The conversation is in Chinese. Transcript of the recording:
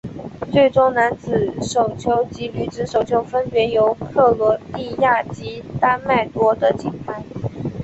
最终男子手球及女子手球分别由克罗地亚及丹麦夺得金牌。